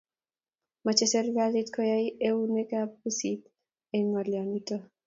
mache serikalit koyae eunek ab pusit eng ngalyo nitok